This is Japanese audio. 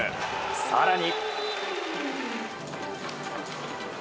更に。